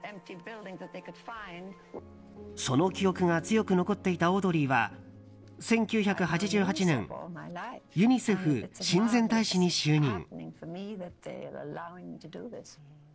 その記憶が強く残っていたオードリーは１９８８年ユニセフ親善大使に就任。